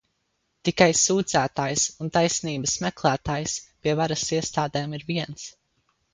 Tikai sūdzētājs un taisnības meklētājs pie varas iestādēm ir viens.